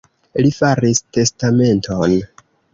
Li faris testamenton.